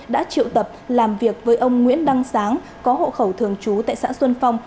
đã triệu tập làm việc với ông nguyễn đăng sáng có hộ khẩu thường trú tại xã xuân phong